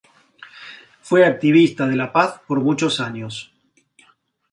Fue activista de la paz por muchos años.